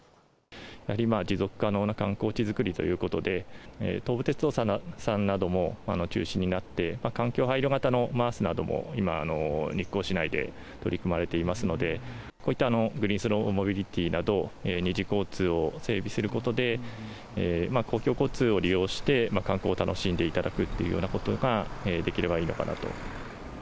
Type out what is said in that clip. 今、持続可能な観光地づくりということで、東武鉄道さんなども中心になって、環境配慮型のＭａａＳなども今、日光市内で取り組まれていますので、こういったグリーンスローモビリティなど、２次交通を整備することで、公共交通を利用して、観光を楽しんでいただくっていうようなことができればいいのかなと。